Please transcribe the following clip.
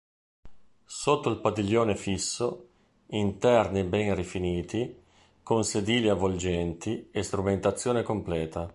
Sotto il padiglione fisso, interni ben rifiniti, con sedili avvolgenti e strumentazione completa.